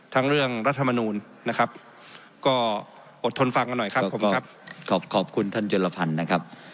ทั้งเรื่องรัฐมนูนนะครับก็อดทนฟังกันหน่อยครับขอบคุณท่านจรภัณฑ์นะครับ